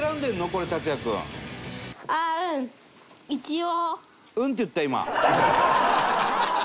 一応。